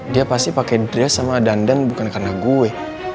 dia pasti pakai dress sama dandan bukan karena gue